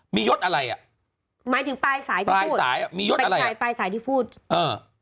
มียศอะไรอ่ะหมายถึงปลายสายที่ปลายสายอ่ะมียดปลายสายปลายสายที่พูดเออ